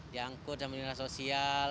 dianggur sama dinas sosial